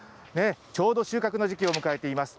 ちょうど収穫の時期を迎えています。